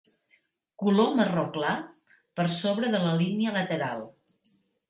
Color marró clar per sobre de la línia lateral.